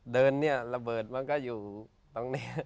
เดินเนี่ยระเบิดมันก็อยู่ตรงนี้